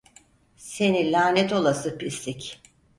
Seni lanet olası pislik!